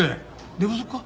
寝不足か？